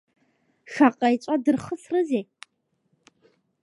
Шаҟа еҵәа дырхысрызеи?